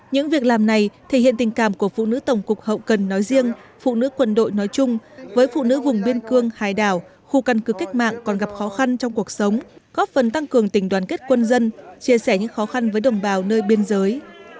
những việc làm này thể hiện tình cảm của phụ nữ tổng cục hậu cần nói riêng phụ nữ quân đội nói chung với phụ nữ vùng biên cương hải đảo khu căn cứ cách mạng còn gặp khó khăn trong cuộc sống góp phần tăng cường tình đoàn kết quân dân chia sẻ những khó khăn với đồng bào nơi biên giới